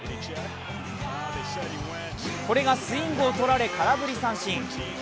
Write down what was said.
これがスイングをとられ、空振り三振。